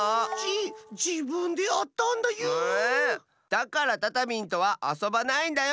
だからタタミンとはあそばないんだよ！